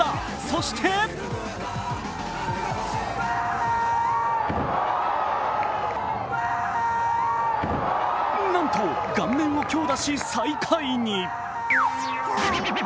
そしてなんと顔面を強打し、最下位に。